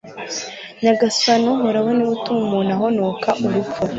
Nyagasani Uhoraho ni we utuma umuntu ahonoka urupfu